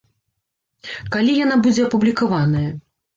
Калі яна будзе апублікаваная?